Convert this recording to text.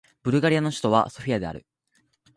ブルガリアの首都はソフィアである